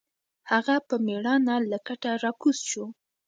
هغه په مېړانه له کټه راکوز شو.